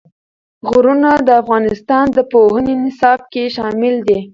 غرونه د افغانستان د پوهنې نصاب کې شامل دي.